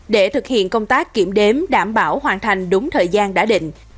để thực hiện công tác kiểm đếm đảm bảo hoàn thành đúng thời gian đã định